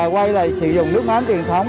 quay lại sử dụng nước mắm truyền thống